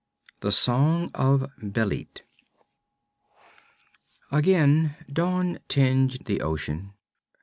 _ THE SONG OF BÊLIT Again dawn tinged the ocean.